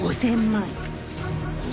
５０００万